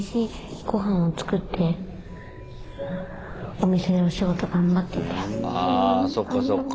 あそっかそっか。